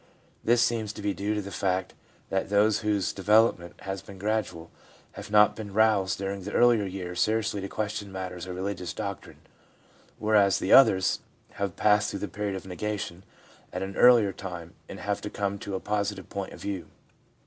This seems to be due to the fact that those whose develop ment has been gradual have not been roused during the earlier years seriously to question matters of religious doctrine, whereas the others have passed through the period of negation at an earlier time and have come to a positive point of view.